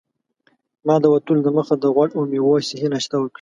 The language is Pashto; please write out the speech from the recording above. ما د وتلو دمخه د غوړ او میوو صحي ناشته وکړه.